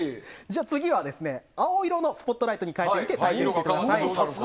次は青色のスポットライトに変えて体験してみてください。